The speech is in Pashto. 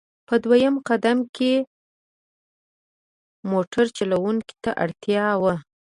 په دویم قدم کې موټر چلوونکو ته اړتیا وه.